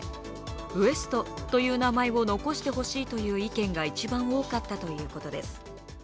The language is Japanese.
「ＷＥＳＴ」という名前を残してほしいという意見が一番多かったということです。